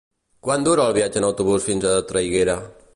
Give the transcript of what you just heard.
Quant dura el viatge en autobús fins a Traiguera?